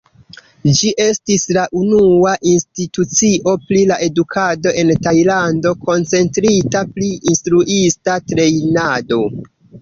Ĝi estis la unua institucio pri la edukado en Tajlando, koncentrita pri instruista trejnado.